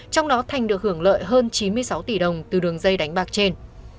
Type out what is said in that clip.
trong đó thành được hưởng lợi hơn chín mươi sáu tỷ đồng từ đường dây đánh bạc trên